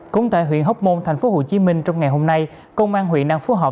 cũng tại huyện hóc môn tp hcm trong ngày hôm nay công an huyện đang phối hợp